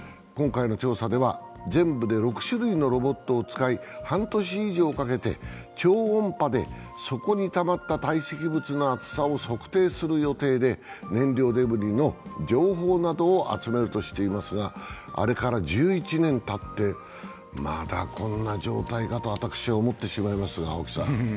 今回の調査では全部で６種類のロボットを使い、半年以上かけて超音波で底にたまった堆積物の厚さを測定する予定で燃料デブリの情報などを集めるとしていますが、あれから１１年たってまだこんな状態かと私は思ってしまいますが。